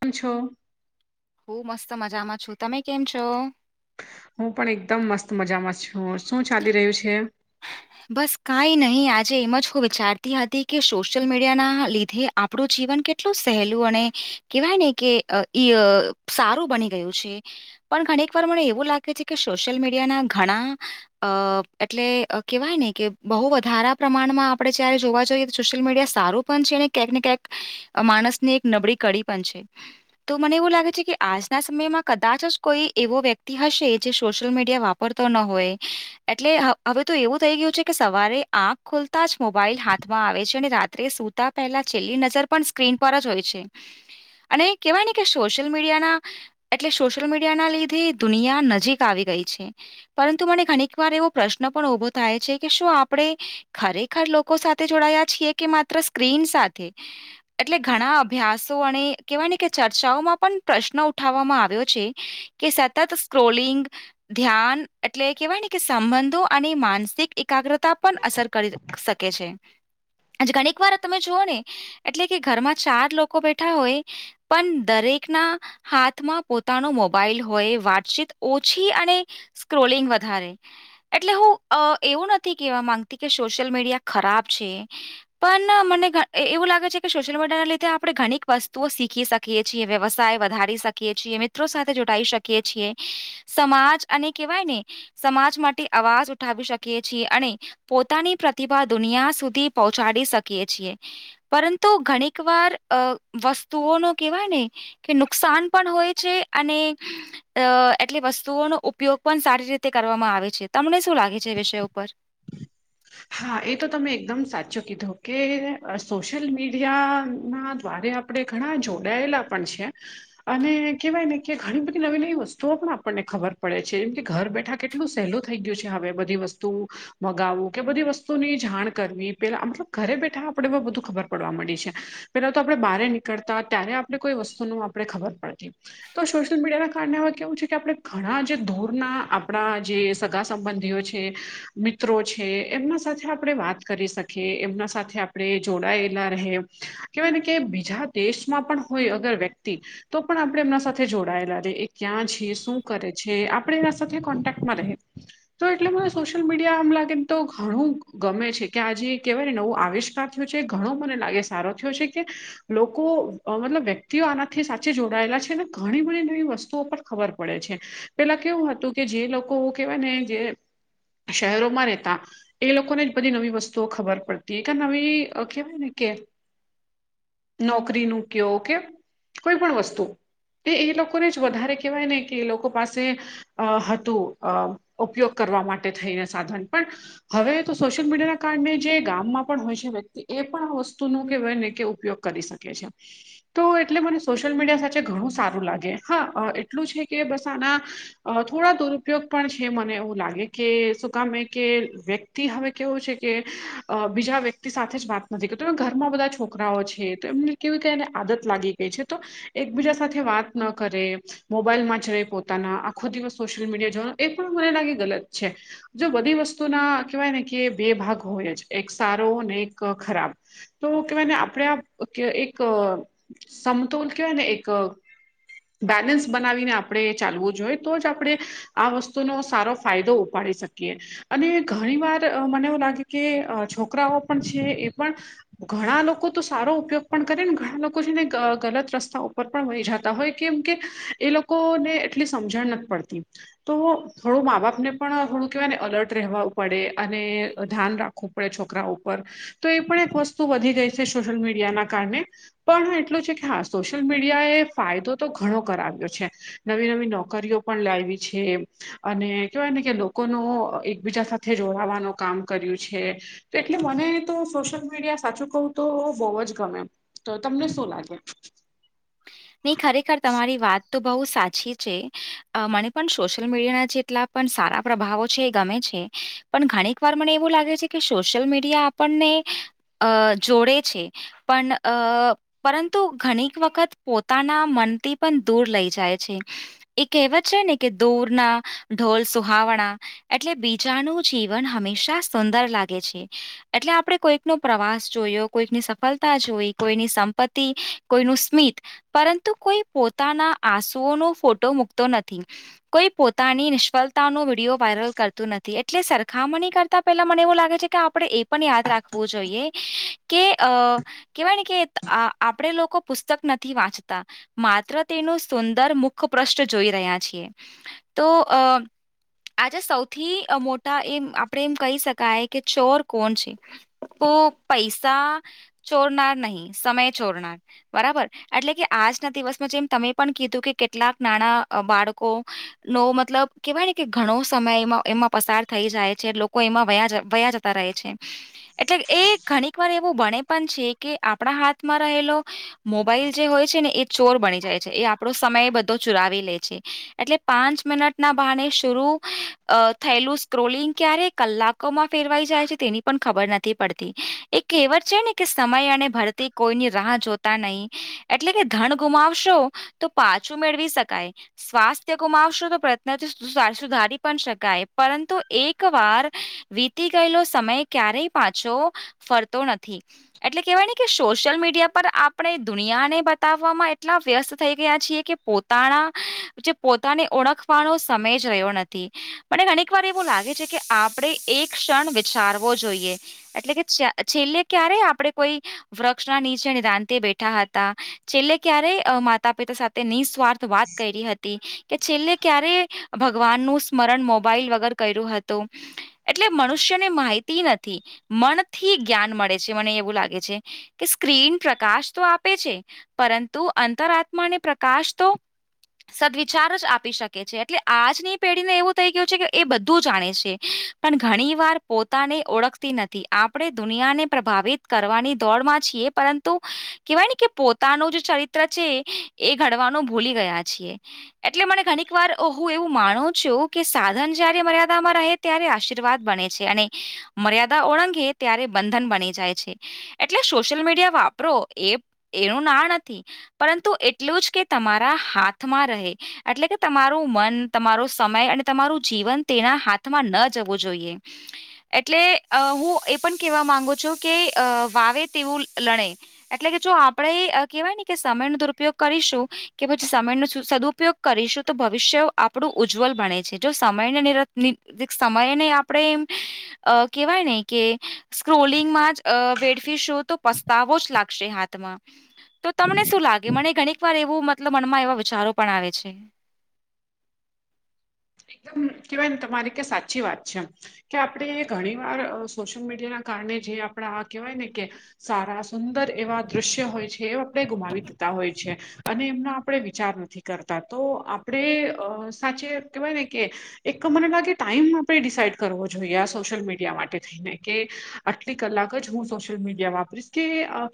કેમ છો? હું મસ્ત મજામાં છું તમે કેમ છો? હું પણ એકદમ મસ્ત મજામાં છું. શું ચાલી રહ્યું છે? બસ કઈ નહીં આજે એમ જ હું વિચારતી હતી કે સોશિયલ મીડિયા ના લીધે. આપણું જીવન કેટલું સહેલું અને કેહેવાય ને કે અ ઇ ય્ સારું બની ગયું છે. પણ ઘણીક વાર મને એવું લાગે છે કે સોશિયલ મીડિયાના ઘણા અઅ એટલે કેવાય ને કે બહુ વધારે પ્રમાણમાં આપણે જ્યારે જોવા જઈએ તો સોશિયલ મીડિયા સારું પણ છે. અનેન ક્યાંક ને ક્યાંક આ માણસ ની એક નબળી કડી પણ છે. તો મને એવું લાગે છે! કે આજના સમયમાં કદાચ જ કોઈ એવો વ્યક્તિ હશે જે સોશિયલ મીડિયા વાપર વાપરતો ન હોય એટલે હ હવે તો એવું થઈ ગયું છે કે સવારે આંખ ખોલતા જ મોબાઈલ હાથમાં આવે છે અને રાત્રે સૂતા પહેલા છેલ્લી નજર પણ સ્ક્રીન પર જ હોય છે. અને કહેવાય ને કે સોશિયલ મીડિયાના એટલે સોશિયલ મીડિયા ના લીધે દુનિયા નજીક આવી ગઈ છે. પરંતુ મને ઘણીક વાર એવો પ્રશ્ન પણ ઉભો થાય, છે કે શું આપણે ખરેખર લોકો સાથે જોડાયા છીએ કે માત્ર સ્ક્રીન સાથે! એટલે ઘણા અભ્યાસો અને કેવાય કે ચર્ચાઓમાં પણ પ્રશ્ન ઉઠાવવામાં આવ્યો છે. કે સતત સ્ક્રોલિંગ ધ્યાન એટલે કેહેવાય ને કે સંબંધો, અને માનસિક એકાગ્રતા પણ અસર ક રી શકે છે. આજે ઘણીક વાર તમે જુઓ ને એટલે કે ઘરમાં ચાર લોકો બેઠા હોય, પણ દરેકના. હાથમાં પોતાનો મોબાઈલ હોય વાતચીત ઓછી અને, સ્ક્રોલિંગ વધારે એટલે હું એવું નથી કેહેવા માંગતી કે સોશિયલ મીડિયા ખરાબ છે પણ મને એવું લાગે છે કે સોશિયલ મીડિયા ના લીધે આપણે ઘણીક વસ્તુઓ શીખી શકીએ શકીએ છીએ વ્યવસાય વધારી શકીએ છીએ મિત્રો સાથે જોડાઈ શકીએ છીએ સમાજ અને કેહેવાય ને સમાજ માટે અવાજ ઉઠાવી શકીએ છીએ અને પોતાની પ્રતિભા દુનિયા સુધી પહોંચાડી શકીએ છીએ પરંતુ ઘણીક વાર અ વસ્તુઓ ન કહેવાય ને કે નુકસાન પણ હોય છે અને અ એટલી વસ્તુઓનો ઉપયોગ પણ સારી રીતે કરવામાં આવે છે તમને શું લાગે છે એ વિષય ઉપર હા એ તો તમે એકદમ સાચો કીધો કે સોશિયલ મીડિયા ના દ્વારે આપણે ઘણા જોડાયેલા પણ છે અને કેહેવાય ને કે ઘણી બધી નવી નવી વસ્તુઓ પણ આપણને ખબર પડે છે જેમ કે ઘર બેઠા કેટલું સહેલું થઈ ગયું છે હવે બધી વસ્તુ મગાવ કે બધી વસ્તુની જાણ કરવી પેલા મતલબ ઘરે બેઠા આપણે બધું ખબર પડવા મળડી છે પેલા તો આપડણે બહાર નીકળતા ત્યારે આપણે કોઈ વસ્તુ ન આપણે ખબર પડતી તો સોશિયલ મીડિયાના કારણે હવે કેવું છે કે આપણે ઘણા જે ધોરના આપણા જે સગા સંબંધીઓ છે છે મિત્રો છે એમના સાથે આપણે વાત કરી શકીએ એમના સાથે આપણે જોડાયેલા રહે કેહેવાય ને કે બીજા દેશમાં પણ હોય અગર વ્યક્તિ તો પણ આપણે એમના સાથે જોડાયેલા રે એ ક્યાં છીએ શું કરે છે આપણે એના સાથે કોન્ટેક્ટમાં રહે તો એટલે મને સોશિયલ મીડિયા આમ લાગે તો ઘણું ગમે છે કે આજે કહેવાયને નવો આવિષ્કાર થયો છે ઘણો મને લાગે સારો થયો છે કે લોકો મતલબ વ્યક્તિઓ આનાથી સાચી જોડાયેલા છે ને ઘણી બધી નવી વસ્તુઓ પર ખબર પડે છે પેલા કેવું હતું કે જે લોકો કેહેવાય ને જે શહેરોમાં રહેતા એ લોકોને જ બધી નવી વસ્તુઓ ખબર પડતી કે નવી કહેવાય ને કે નોકરી ન કયો ઓકે કોઈ પણ વસ્તુ એ એ લોકોને જ વધારે કહેવાય ને કે એ લોકો પાસે અ હતું અ ઉપયોગ કરવા માટે થઈને સાધન પણ હવે તો સોશિયલ મીડિયાના કારણે જે ગામમાં પણ હોય છે વ્યક્તિ એ પણ આ વસ્તુનો કેવાય ને કે ઉપયોગ કરી શકે કે છે તો એટલે મને સોશિયલ મીડિયા સાચ ઘણું સારું લાગે હા એટલું છે કે બસ આના અ થોડા દુરુપયોગ પણ છે મને એવું લાગે કે સુકામે કે વ્યક્તિ હવે કેવો છે કે બીજા વ્યક્તિ સાથે જ વાત નથી કરી તમે ઘરમાં બધા છોક છોકરાઓ છે તો એમને કેવી ક એને આદત લાગી ગઈ છે તો એકબીજા સાથે વાત ન કરે મોબાઈલમાં જ રહી પોતાના આખો દિવસ સોશિયલ મીડિયા જોવાનો એ પણ મને લાગે ગલત છે જો બધી વસ્તુના કહેવાય ને કે બે ભાગ હોય જ એક સારો ને એક ખરાબ તો કેવાય ને આપણેે એક સમતોલ કેવાય ને એક બેલેન્સ બનાવીને આપણે ચાલવું જોઈએ તો જ આપણે આ વસ્તુનો સારો ફાયદો ઉપાડી શકીએ અને ઘણી વાર મને એવું લાગે કે છોકરાઓ પણ છે એ પણ ઘણા લોકો તો સારો ઉપયોગ પણ કરે ને ઘણા લોકો છે ને ગલત રસ્તા ઉપર પણ વહી જતા હોય કેમ કે એ લોકોને એટલી સમજણ નથી પડતી તો થોડું મા બાપ ને પણ થોડું કેહેવાય ને અલર્ટ રહેવા પડે અને ધ્યાન રાખવું પડે છોકરા ઉપર તો એ પણ એક વસ્તુ વધી ગઈ છે સોશિયલ મીડિયાના કારણે પણ એટલું છે કે હા સોશિયલ મીડિયા એ ફાયદો તો ઘણો કરાવ્યો છે નવી નવી નોકરીઓ પણ લાવી છે અને કેવાય ને કે લોકોનો એકબીજા સાથે જોડાવાનું કામ કર્યું છે તો એટલે મને તો સોશિયલ મીડિયા સાચું કહું તો બહુ જ ગમે તો તમને શું લાગે નહી ખરેખર તમારી વાત તો બહુ સાચી છે મને પણ સોશિયલ મીડિયાના જેટલા- - પણ સારા પ્રભાવો છે એ ગમે છે પણ ઘણીક વાર મને એવું લાગે છે કે સોશિયલ મીડિયા- - આપણને અ જોડે છે. પણ અ પરંતુ ઘણીક વખત- - પોતાના મનથી પણ દૂર લઈ જાય છે. એ કહેવત છે ને કે દૂરના ઢોલ સુહાવણા- - એટલે બીજાનું જીવન હંમેશા સુંદર લાગે છે. એટલે આપણે કોઈક નો પ્રવાસ જોયો કોઈકની સફળતા જોઈ કોઈની સંપત્તિ કોઈનું સ્મિત- - પરંતુ કોઈ પોતાના આંસુઓનો ફોટો મૂકતો નથી. કોઈ પોતાની નિષ્ફળતા નો વિડિયો વાયરલ કરતું નથી એટલે સરખામણી કર- - પેલા મને એવું લાગે છે કે આપડણે એ પણ યાદ રાખવું જોઈએ કે અ- - કેવાય ને કે આ આપડે લોકો પુસ્તક નથી વાંચતા- - માત્ર તેનું સુંદર મુખપ્રષ્ઠ જોઈ રહ્યા છીએ. તો અ- - આજે સૌથી મોટા એમ આપડે એમ કહી શકાય કે ચોર કોણ છે. પો પૈસા- - ચોરનાર નહી સમય ચોરનાર બરાબર ને એટલે કે- - આજના દિવસમાં જેમ તમે પણ કીધું કે કેટલાક નાણા બાળકો- - નો મતલબ કેવાય ને કે ઘણો સમય એમાં એમાં પસાર થઈ જાય છે લોકો એમાં વયા વ્યા જતા- - જાય છે એટલે એ ઘણીક વાર એવું બણે પણ છે કે આપણા હાથમાં રહેલો- - મોબાઈલ જે હોય- - છે ને એ ચોર બની જાય છે એ આપડો સમય બધો ચુરાવી લે છે એટલે પાંચ મિનટ- - ના બાણે શરુ થયેલું સ્ક્રોલિંગ ક્યારે કલાકોમાં ફેરવાઈ જાય છે તેની- - પણ ખબર નથી પડતી એક કેહેવત છે ને કે સમય અને ભરતી કોઈની રાહ જોતા નહી. એટલે કે ધન ગુમાવશો તો પાછું મેળવી શકાય- - સ્વાસ્થ્ય ગુમાવશો તો પ્રયત્નથી સુધારી પણ શકાય પરંતુ એક વાર- - વીતી ગયેલો સમય ક્યારેય પાછો ફરતો નથી. એટલે કેહેવાય કે સોશિયલ મીડિયા પર આપણે દુનિયાને- - બતાવામાં એટલા વ્યસ્ત થઈ ગયા છે કે પોતાના જે પોતાની ઓળખ- - પાનો સમય જ્યો નથી. મને ઘણીક વાર એવું લાગે છે કે આપણે એક ક્ષણ વિચારવો જોઈએ. એટલે કે છેલ્લે ક્યારે આપડે કોઈ વૃક્ષ ના નીચે નિ રાંતે બેઠા હતા- - છેલ્લે ક્યારેય માતા પિતા સાથે નિસ્વાર્થ વાત કરી હતી. કે છેલ્લે ક્યારે ભગવાન નું સ્મરણ મોબાઈલ વગર કર્યું હતું- - એટલે મનુષ્યને માહિતી નથી મનથી જ્ઞાન મળે છે મને એવું લાગે છે- - કે સ્ક્રીન પ્રકાશ તો આપે છે પરંતુ અંતર આત્માને પ્રકાશ તો- - સદવિચાર જ આપી શકે છે એટલે આજની પેઢીને એવું થઈ ગયું છે કે એ બધું જાણે છે- - પણ ઘણી વાર પોતાને ઓળખતી નથી આપણે દુનિયાને પ્રભાવિત કરવાની દોડમાં છીએ પરંતુ- - તો કેવાય ને કે પોતાનું જે ચરિત્ર છે એ ઘડવાનું ભૂલી ગયા છીએ. એટલે મને ઘણીક વાર હું એવું માનું છું કે સાધન જયારે મર્યાદામાં રહે- - ત્યારે આશીર્વાદ બને છે અને મર્યાદા ઓળંગે ત્યારે બંધન બની જાય છે. એટલે સોશિયલ મીડિયા વાપરો એ એનું ના નથી- - પરંતુ એટલું જ કે તમારા હાથમાં રહે- - એટલે કે તમારું મન તમારો સમય અને તમારું જીવન તેના હાથમાં ન જવો જોઈએ- - એટલે અ હું એ પણ કેહેવા માંગુ છું કે વાવે તેવું લણે- - એટલે કે જો આપણેે કેહેવાય ને કે સમય નો દુરુપયોગ કરીશું. કે પછી સમયનો સદુપયોગ કરીશું તો ભવિષ્ય આપણું ઉજ્જવલ બને છે જો સમયને- - સમયે ને આપડે - - અ કેહેવાય ને કે સ્ક્રોલિંગમાં જ અ વેડફી શો તો પસ્તાવો જ લાગશે હાથમાં- - તો તમને શું લાગે મને ઘણીક વાર એવું મતલબ મનમાં એવા વિચારો પણ આવે છે એકદમ કેવાય ને તમારી ક સાચી વાત છે એમ કે આપણે એ ઘણી વાર સોશિયલ મીડિયા ના કારણે જે આપણા આ કેહેવાય ને કે સારા સુંદર એવા દ્રશ્ય હોય છે એ આપણે ગુમાવી દેતા હોય છે અને એમના આપણે વિચાર નથી કરતા તો આપણેે અ સાચે કેહેવાય ને કે એક મને લાગે ટાઈમ આપણે ડિસાઈડ કરવો જોઈએ સોશિયલ મીડિયા માટે થઈને કે આટલી કલાક જ હું સોશિયલ મીડિયા વાપરીશ કે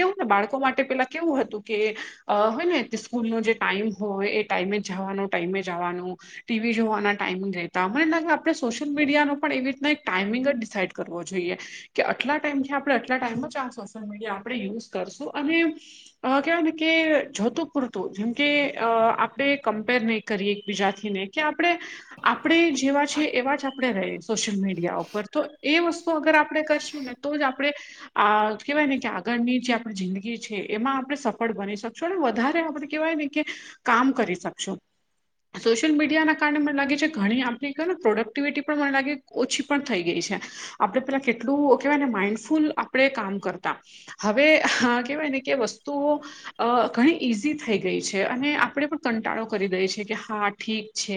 કેવું ને બાળકો માટે પેલા કેવું હતું કે અ હોય ને સ્કૂલનો જે ટાઈમ હોય એ ટાઈમે જવાનો ટાઈમે જવાનો ટીવી જોવાના ટાઇમિંગ રહેતા મને લાગે આપણે સોશિયલ મીડિયાનો પણ એવી રીતના એક ટાઈમિંગ જ ડિસાઇડ કરવો જોઈએ કે આટલા ટાઈમથી આપણે આટલા ટાઈમમાં જ આ સોશિયલ મીડિયા આપણે યુઝ કરશું અને અ કહેવાય ને કે જોતું પૂરતું જેમ કે અ આપણે કમ્પેર નહીં કરીએ એકબીજા થી ને કે આપણે આપણે જેવા છીએ એવા જ આપણે રહી સોશિયલ મીડિયા ઉપર તો એ વસ્તુ અગર આપણે કરશું ને તો જ આપણે આ કેહેવાય ને કે આગળની જે આપણી જિંદગી છે એમાં આપડણે સફળ બની શકીએ વધારે આપ કેવાયને કે કામ કરી શકશો સોશિયલ મીડિયા કારણે મને લાગે છે ઘણી આપડી કય ને પ્રોડક્ટિવિટી પણ મને લાગે ઓછી પણ થઈ ગઈ છે આપડણે પેલા કેટલું કેહેવાય ને માઈન્ડફુલ આપણે કામ કરતા હવે કેહેવાય ને કે વસ્તુઓ અ ઘણી ઈઝી થઈ ગઈ છે અને આપણે પણ કંટાળો કરી દઈ છે કે હા ઠીક છે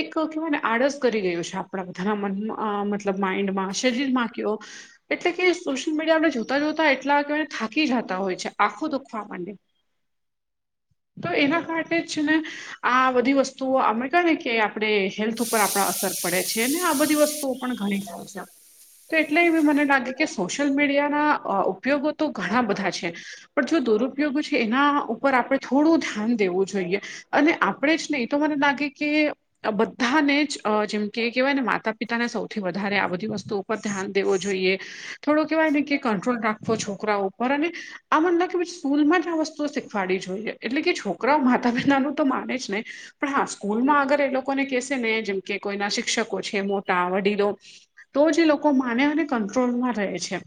એક કેવાય આળસ કરી ગયું છે આપણા બધાના મતલબ માઈન્ડ માં શરીરમાં કે ઓ એટલે કે સોશિયલ મીડિયા આપણે જોતા જોતા એટલાવાય થાકી જતા હોય છે આખો દુઃખો આપ માટે [inaudible] તો એના કારણે જ ને આ બધી વસ્તુઓ આમે ને કે આપડણે હેલ્થ ઉપર આપણા અસર પડે છે ને આ બધી વસ્તુઓ પણ ઘણી થાય છે તો એટલે એ બી મને લાગે કે સોશિયલ મીડિયાના ઉપયોગો તો ઘણા બધા છે પણ જો દુરુપયોગો છે એના ઉપર આપણે થોડું ધ્યાન દેવું જોઈએ અને આપણેે જ નહીં તો મને લાગે કે બધાને જ જેમકે કહેવાય ને માતા પિતાને સૌથી વધારે આ બધી વસ્તુ પર ધ્યાન દેવું જોઈએ થોડો કેવાય ને કે કંટ્રોલ રાખવો છોકરા ઉપર અને આ મને લાગે સ્કૂલમાં જ આ વસ્તુઓ શીખવાડવી જોઈએ એટલે કે છોકરાઓ માતા પિતાનું તો માને જ નહી પણ હા સ્કૂલમાં આગર એ લોકોને કેહેશે ને જેમ કે કોઈના શિક્ષકો છે મોટા વડીલો તો જે એ લોકો માને અને કંટ્રોલમાં રહે છે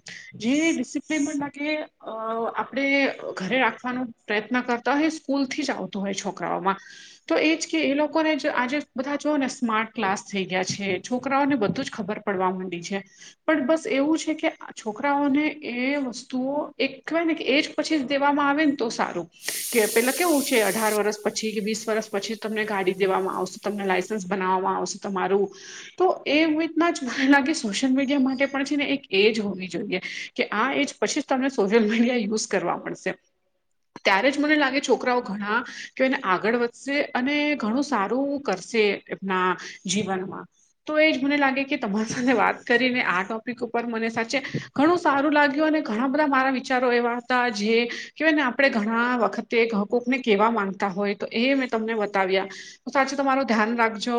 જે ડિસપ્લીન લાગે અ આપણેે ઘરે આપવાનું પ્રયત્ન કરતા હોય સ્કૂલ થી જ આવતું હોય છોકરાઓમાં તો એ જ કે એ લોકોને આજે બધા જોઓ ને સ્માર્ટ ક્લાસ થઈ ગયા છે છોકરાઓને બધું જ ખબર પડ પડવા માંડી છે પણ બસ એવું છે કે આ છોકરાઓને એ વસ્તુઓ એક કહેવાય ને કે એક એજ પછી જ દેવામાં આવેને તો સારું કે પેલા કેવું છે અઢાર વર્ષ પછી કે વીસ વર્ષ પછી તમને ગાડી દેવામાં આવશે તમને લાઇસન્સ બનાવવામાં આવશે તમારું તો એ રીતના જ મને લાગે સોશિયલ મીડિયા માટે પણ છે ને એક એજ હોવી જોઈએ કે આ એજ પછી જ તમને સોશિયલ મીડિયા યુઝ કરવા પડશે ત્યારે જ મને લાગે છોકરાઓ ઘણા કે એને આગળ વધશે અને ઘણું સારું કરશે એમના જીવનમાં તો એ જ મને લાગે કે તમારી સાથે વાત કરીને આ ટોપિક ઉપર મને સાચે ઘણું સારું લાગ્યું અને ઘણા બધા મારા વિચારો એવા હતા જે કે ભયને આપણે ઘણા વખત તે એક હ કોક ને કેવા માંગતા હોય તો એ મેં તમને બતાવ્યા તો સાચું તમારું ધ્યાન રાખજો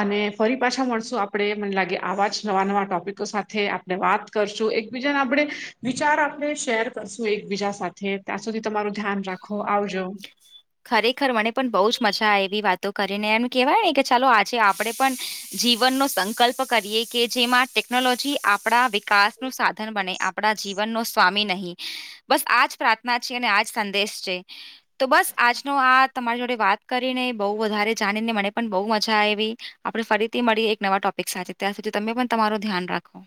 અને ફરી પાછા મળશું આપડે મને લાગે આવા નવા નવા ટોપિક સાથે આપણે વાત કરશું એકબીજાને આપણે વિચાર આપણે શેર કરશું એકબીજા સાથે તાં સુધી તમારુ ધ્યાન રાખો, આવજો. [inaudible] ખરેખર મને પણ બહુ જ મજા આવે એવી વાતો કરીને એમ કેહેવાય ને કે ચાલો આજે આપડે પણ જીવનનો સંકલ્પ કરીએ કે જેમાં ટેકનોલોજી આપણા વિકાસ નું સાધન સાધન બને આપણા જીવનનો સ્વામી નહીં, બસ આજ પ્રાર્થના છે અને આજ સંદેશ છે. તો બસ આજનો આ તમારી જોડે વાત કરીને બહુ વધારે જાણીને મને પણ બહુ મજા આઈવી. આપણે ફરીથી મળીએ એક નવા ટોપિક સાથે ત્યાં સુધી તમે પણ તમારું ધ્યાન રાખો.